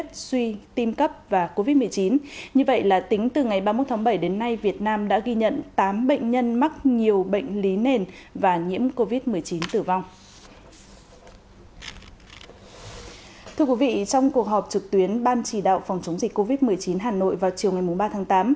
thưa quý vị trong cuộc họp trực tuyến ban chỉ đạo phòng chống dịch covid một mươi chín hà nội vào chiều ngày ba tháng tám